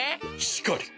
しかり。